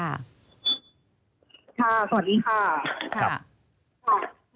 ค่ะสวัสดีค่ะครับ